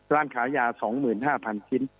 ร้านขายยา๒๕๐๐๐ชิ้น